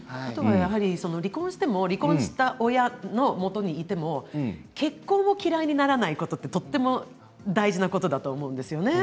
離婚しても離婚した親のもとにいても結婚を嫌いにならないことはとても大事なことだと思うんですよね。